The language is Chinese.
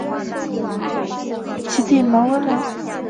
其弟毛温良在她担任闻得大君后任闻得大君加那志大亲职。